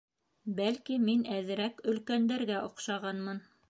Бәлки мин әҙерәк өлкәндәргә оҡшағанмын.